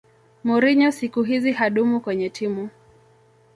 mourinho siku hizi hadumu kwenye timu